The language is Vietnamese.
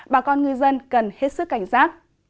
bà con người dân cần hết sức cảnh giác